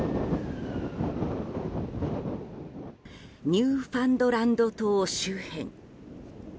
ニューファンドランド島周辺。